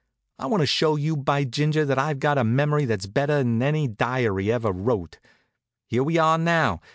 I want to show you, by ginger, that I've got a mem'ry that's better'n any diary ever wrote. Here we are now!